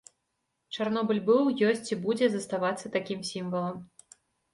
Чарнобыль быў, ёсць і будзе заставацца такім сімвалам.